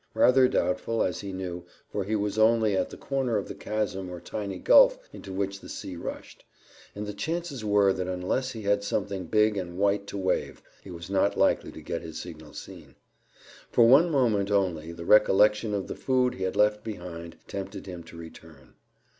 Rather doubtful, as he knew, for he was only at the corner of the chasm or tiny gulf into which the sea rushed, and the chances were that unless he had something big and white to wave, he was not likely to get his signal seen. For one moment only the recollection of the food he had left behind tempted him to return.